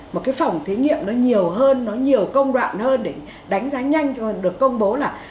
một cái phòng thí nghiệm nó nhiều hơn nó nhiều công đoạn hơn để